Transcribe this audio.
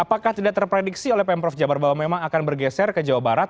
apakah tidak terprediksi oleh pemprov jabar bahwa memang akan bergeser ke jawa barat